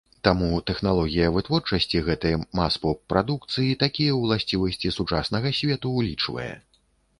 Таму тэхналогія вытворчасці гэтай мас-поп-прадукцыі такія ўласцівасці сучаснага свету ўлічвае.